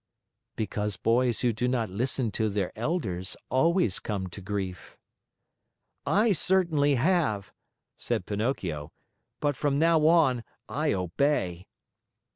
"Because boys who do not listen to their elders always come to grief." "I certainly have," said Pinocchio, "but from now on, I obey."